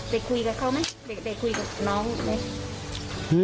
ได้คุยกับเขาไหมได้คุยกับน้องไหม